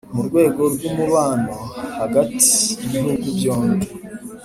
mu rwego rw'umubano hagti y'ibihugu byombi,